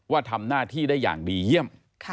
ว่าทำหน้าที่ได้อย่างดีเยี่ยม